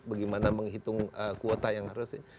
bagaimana menghitung kuota yang harusnya